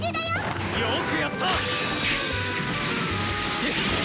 よくやった！